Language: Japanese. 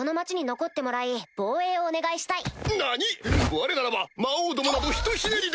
われならば魔王どもなどひとひねりで。